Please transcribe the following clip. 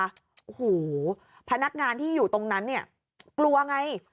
โอ้โหพนักงานที่อยู่ตรงนั้นเนี่ยกลัวไง